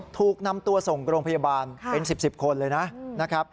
ถูกนำตัวส่งโรงพยาบาลเป็น๑๐คนเลยนะครับ